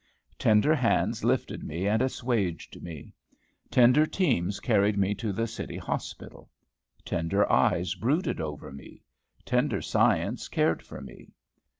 Tender hands lifted me and assuaged me. Tender teams carried me to the City Hospital. Tender eyes brooded over me. Tender science cared for me.